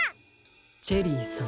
チェリーさん。